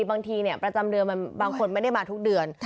บางทีประจำเดือนบางคนไม่ได้มาทุกเดือน